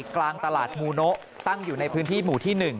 กลางตลาดมูโนะตั้งอยู่ในพื้นที่หมู่ที่๑